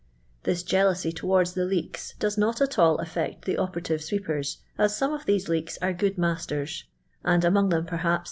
This jcjilousy towards the h'eks does not at all afl'ectthe operative swwperji.as some ot these leeks are good master;*, and among them, {K rhaps.